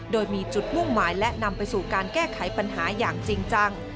โดยมีจุดมุ่งหมายและนำไปสู่การแก้ไขปัญหาอย่างจริงจัง